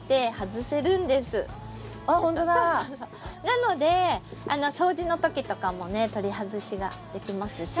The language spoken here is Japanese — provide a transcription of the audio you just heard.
なので掃除の時とかもね取り外しができますし。